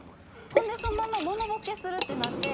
ほんでそのままモノボケするってなって。